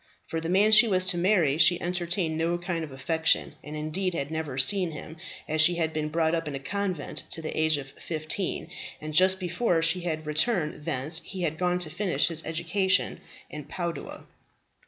For the man she was to marry she entertained no kind of affection, and indeed had never seen him, as she had been brought up in a convent to the age of fifteen; and just before she had returned thence, he had gone to finish his education at Padua.